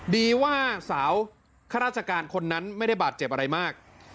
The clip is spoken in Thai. ดีว่าสาวข้าราชการคนนั้นไม่ได้บาดเจ็บอะไรมาก